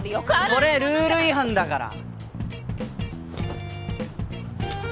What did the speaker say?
それルール違反だから。